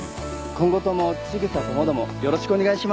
今後とも千草ともどもよろしくお願いします。